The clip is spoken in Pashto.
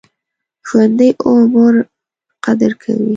ژوندي د عمر قدر کوي